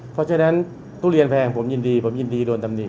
เพราะฉะนั้นทุเรียนแพงผมยินดีผมยินดีโดนตำหนิ